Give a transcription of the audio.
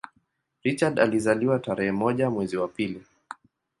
Richard alizaliwa tarehe moja mwezi wa pili